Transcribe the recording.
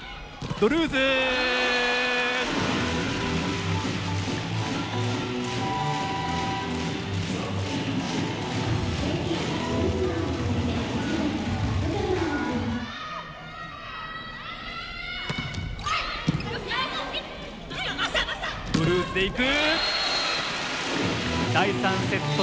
ドルーズでいく！